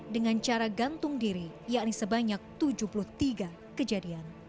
dengan cara gantung diri yakni sebanyak tujuh puluh tiga kejadian